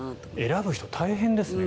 選ぶ人大変ですね